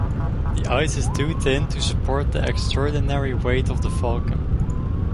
The ice is too thin to support the extraordinary weight of the Falcon.